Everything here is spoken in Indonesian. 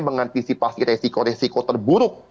mengantisipasi resiko resiko terburuk